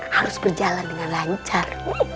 harus berjalan dengan lancar